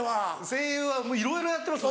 声優はいろいろやってます。